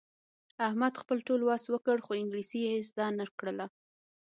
احمد خپل ټول وس وکړ، خو انګلیسي یې زده نه کړله.